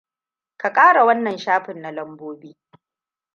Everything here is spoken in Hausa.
Ka kara wannan shafin na lambobi.